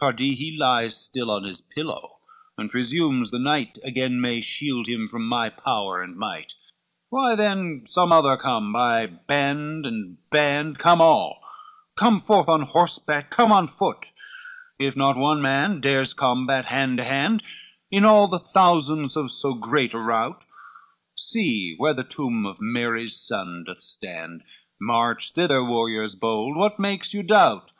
Pardie he lies Still on his pillow, and presumes the night Again may shield him from my power and might. LXXIV "Why then some other come, by band and band, Come all, come forth on horseback, come on foot, If not one man dares combat hand to hand, In all the thousands of so great a rout: See where the tomb of Mary's Son doth stand, March thither, warriors hold, what makes you doubt?